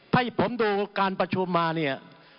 ให้ผมดูการประชุมมาเนี่ย